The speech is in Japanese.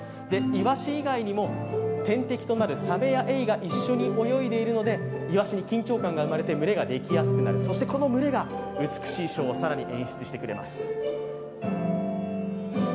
イワシ以外にも天敵となるサメやエイが一緒に泳いでいるのでイワシに緊張感が生まれて群れができやすくなるそしてこの群れが美しいショーを更に演出してくれます。